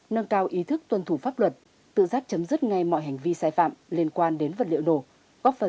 nâng cao ý thức tuân thủ pháp luật tự giác chấm dứt ngay mọi hành vi sai phạm liên quan đến vật liệu nổ